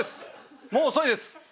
もう遅いです。